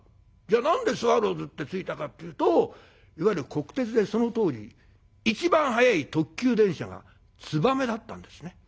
じゃあ何でスワローズって付いたかっていうといわゆる国鉄でその当時一番速い特急電車が「つばめ」だったんですね。